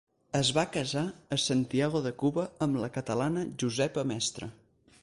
Es va casar a Santiago de Cuba amb la catalana Josepa Mestre.